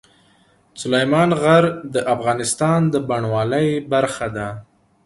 سلیمان غر د افغانستان د بڼوالۍ برخه ده.